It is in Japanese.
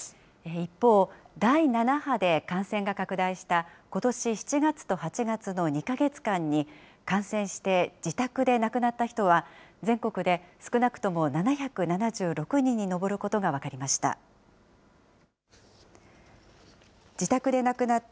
一方、第７波で感染が拡大したことし７月と８月の２か月間に感染して自宅で亡くなった人は、全国で少なくとも７７６人に上ることが分かりました。